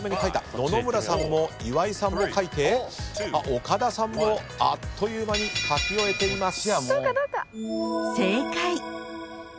野々村さんも岩井さんも書いて岡田さんもあっという間に書き終えています。